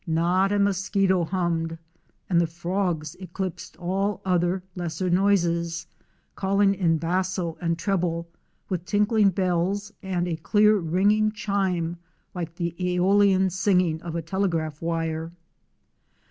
Not a mosquito hummed, and the frogs eclipsed all other, lesser noises, calling in basso and treble, with tinkling bells and a clear ringing chime like the zolian singing of a telegraph wire.